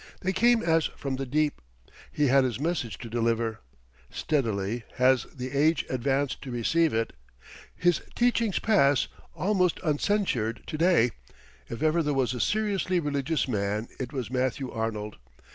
They came as from the deep. He had his message to deliver. Steadily has the age advanced to receive it. His teachings pass almost uncensured to day. If ever there was a seriously religious man it was Matthew Arnold.